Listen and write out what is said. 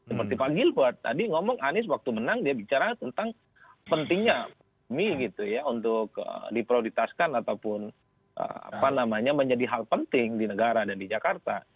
seperti pak gilbert tadi ngomong anies waktu menang dia bicara tentang pentingnya mie gitu ya untuk diprioritaskan ataupun menjadi hal penting di negara dan di jakarta